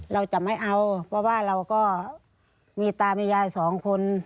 เราจะไม่เอาเพราะว่าเราก็มีตามียายสองคน